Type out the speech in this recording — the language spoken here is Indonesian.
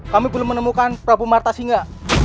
kami belum menemukan prabu marta singa